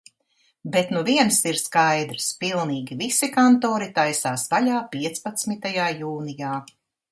Bet nu viens ir skaidrs – pilnīgi visi kantori taisās vaļā piecpadsmitajā jūnijā.